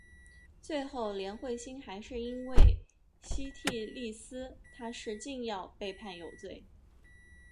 最后连惠心还是因为西替利司他是禁药被判有罪。